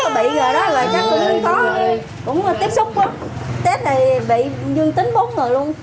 rồi chắc cũng tiếp xúc quá test này bị dương tính bốn người luôn